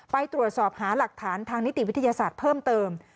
ไปตรวจสอบหาหลักฐานทางนิติวิทยาศาสตร์เพิ่มเติม